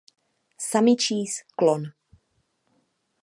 Samičí klon.